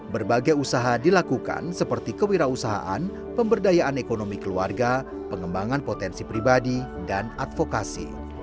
berbagai usaha dilakukan seperti kewirausahaan pemberdayaan ekonomi keluarga pengembangan potensi pribadi dan advokasi